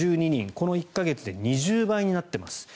この１か月で２０倍になっています。